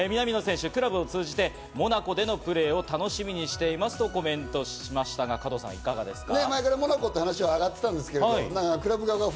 南野選手、クラブを通じてモナコでのプレーを楽しみにしていますとコメントしましたが加藤さん、いかがですか？